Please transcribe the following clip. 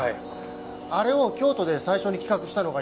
あれを京都で最初に企画したのが山田さんだそうです。